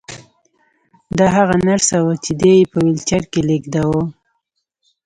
دا هغه نرس وه چې دی یې په ويلچر کې لېږداوه